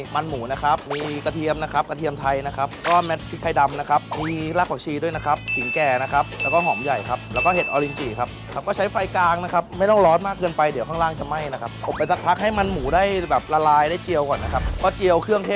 มันหมูนะครับมีกระเทียมนะครับกระเทียมไทยนะครับก็แมทพริกไทยดำนะครับมีรากผักชีด้วยนะครับจิ๋งแก่นะครับแล้วก็หอมใหญ่ครับแล้วก็เห็ดออรินจีครับครับก็ใช้ไฟกลางนะครับไม่ต้องร้อนมากเกินไปเดี๋ยวข้างล่างจะไหม้นะครับอบไปสักพักให้มันหมูได้แบบละลายได้เจียวก่อนนะครับก็เจียวเครื่องเท